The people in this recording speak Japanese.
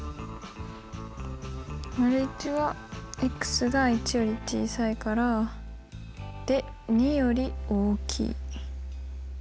①はが１より小さいからで２より大きい。